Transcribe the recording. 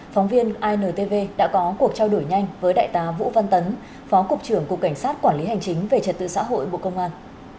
phóng viên intv đã có cuộc trao đổi nhanh với đại tá vũ văn tấn phó cục trưởng cục cảnh sát quản lý hành chính về trật tự xã hội bộ công an